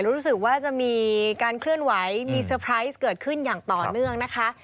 รู้สึกว่าจะมีการเคลื่อนไหวมีเซอร์ไพรส์เกิดขึ้นอย่างต่อเนื่องนะคะ